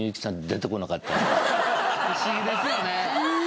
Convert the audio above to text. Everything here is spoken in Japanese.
不思議ですよね。